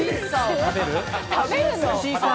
食べるの？